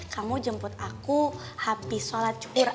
kamu jemput aku habis sholat cukur